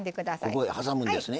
ここへ挟むんですね。